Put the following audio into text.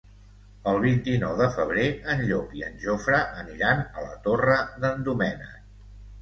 El vint-i-nou de febrer en Llop i en Jofre aniran a la Torre d'en Doménec.